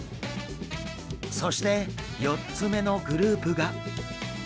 そして４つ目のグループが。